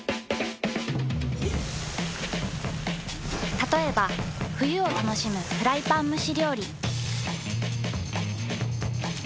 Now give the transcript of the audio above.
たとえば冬を楽しむフライパン蒸し料理。